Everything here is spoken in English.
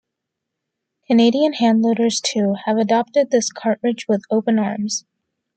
Canadian handloaders too, have adopted this cartridge with open arms.